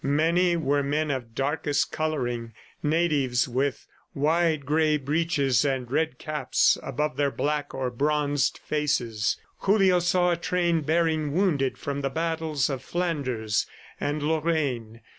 Many were men of darkest coloring, natives with wide gray breeches and red caps above their black or bronzed faces. Julio saw a train bearing wounded from the battles of Flanders and Lorraine.